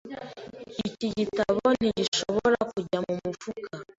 Iki gitabo ntigishobora kujya mumufuka.